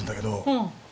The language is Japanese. うん。